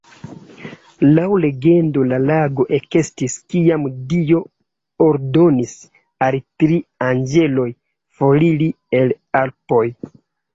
Laŭ legendo la lago ekestis, kiam Dio ordonis al tri anĝeloj foriri el Alpoj.